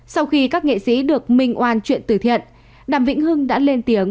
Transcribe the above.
sau khi các nghệ sĩ được minh oan chuyện từ thiện đàm vĩnh hưng đã lên tiếng